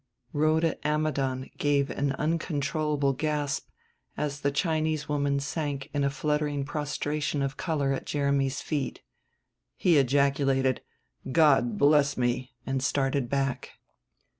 Rhoda Ammidon gave an uncontrollable gasp as the Chinese woman sank in a fluttering prostration of color at Jeremy's feet. He ejaculated, "God bless me," and started back.